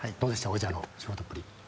王者の仕事っぷり。